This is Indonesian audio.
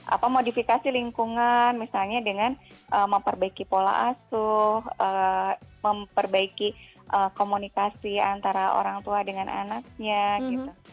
apa modifikasi lingkungan misalnya dengan memperbaiki pola asuh memperbaiki komunikasi antara orang tua dengan anaknya gitu